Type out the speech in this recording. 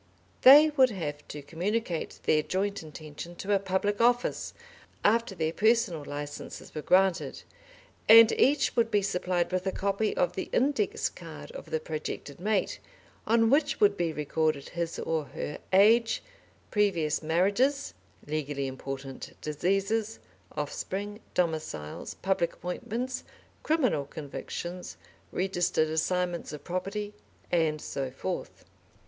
They would have to communicate their joint intention to a public office after their personal licenses were granted, and each would be supplied with a copy of the index card of the projected mate, on which would be recorded his or her age, previous marriages, legally important diseases, offspring, domiciles, public appointments, criminal convictions, registered assignments of property, and so forth.